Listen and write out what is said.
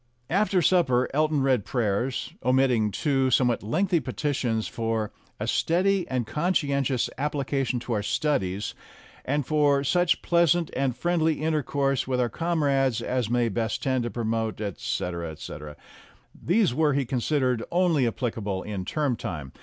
After supper Elton read prayers, omitting two somewhat lengthy petitions, for "a steady and conscientious application to our studies," and for "such pleasant and friendly intercourse with our com rades as may best tend to promote," etc., etc. These were, he considered, only applicable in term time.